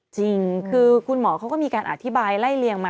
จริงคือคุณหมอเขาก็มีการอธิบายไล่เลียงมา